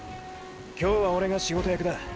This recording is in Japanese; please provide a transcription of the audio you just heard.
今日はオレが“仕事役”だ。